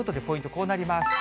こうなります。